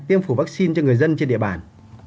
tiêm phủ vaccine cho người dân trên địa bàn